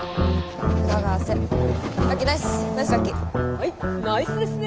はいナイスですね。